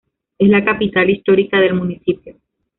Es la capital histórica del municipio.